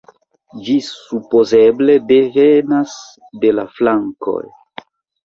Ĝi supozeble devenas de la frankoj.